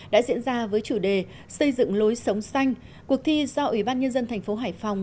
đã diễn ra với chủ đề xây dựng lối sống xanh cuộc thi do ủy ban nhân dân thành phố hải phòng